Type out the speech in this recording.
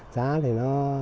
giá thì nó